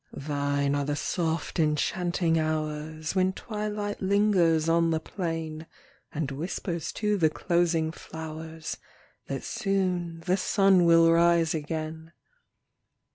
125 Thine are the soft enchanting hours When twilight lingers on the plain, And whispers to the closing flowers, That soon the sun will rise again.